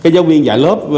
giáo viên dạy lớp